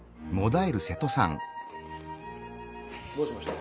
どうしました？